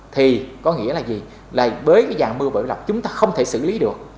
thì có nghĩa là gì là bới cái dàn mưa bể lọc chúng ta không thể xử lý được